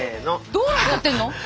どうなっちゃってんの？